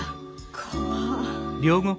怖っ。